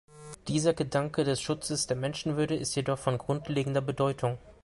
Dieser Gedanke des Schutzes der Menschenwürde ist jedoch von grundlegender Bedeutung.